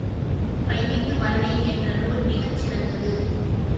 கலிங்கத்துப் பரணி என்ற நூல் மிகச் சிறந்தது.